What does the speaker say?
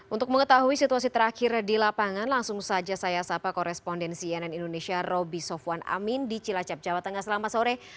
untuk mengetahui situasi terakhir di lapangan langsung saja saya sapa korespondensi nn indonesia roby sofwan amin di cilacap jawa tengah selama sore